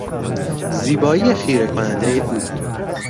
زیبایی خیرهکنندهی او